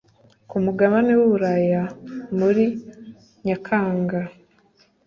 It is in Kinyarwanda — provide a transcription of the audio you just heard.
ku mugabane w’uburaya muri nyakanga ,